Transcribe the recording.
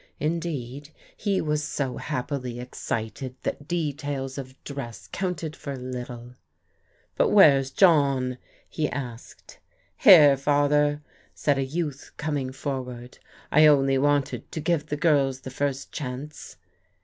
Indeed, he was so happily excited that details of dress counted for little. " But Where's John ?" he asked. "Here, Father," said a youth coming forward. "I only wanted to give the girls the first chance."